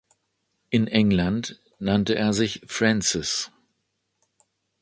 In England nannte er sich „Francis“.